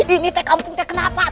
ini kampung kenapa